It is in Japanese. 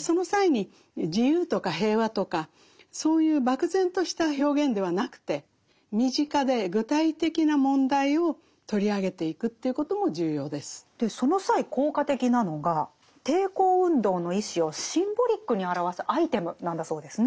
その際に自由とか平和とかそういう漠然とした表現ではなくてその際効果的なのが抵抗運動の意志をシンボリックに表すアイテムなんだそうですね。